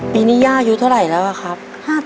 ปีนี้ย่ายุทธิ์เท่าไหร่แล้วครับ